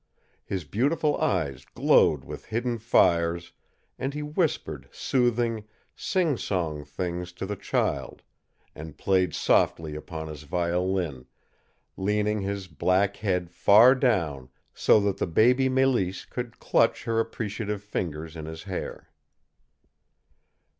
His beautiful eyes glowed with hidden fires, and he whispered soothing, singsong things to the child, and played softly upon his violin, leaning his black head far down so that the baby Mélisse could clutch her appreciative fingers in his hair.